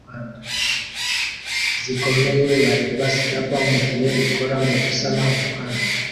zikomeye bareba scraper mugihe ikora mugusana umuhanda